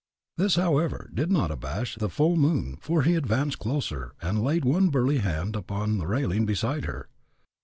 This, however, did not abash the "full moon," for he advanced closer, and laid one burly hand upon the railing beside her.